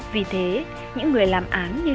vì thế những người làm án như thiếu tá lê minh hải